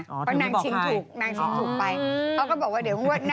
เพราะนางชิงถูกนางชิงถูกไปเขาก็บอกว่าเดี๋ยวงวดหน้า